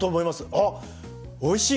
あっおいしい！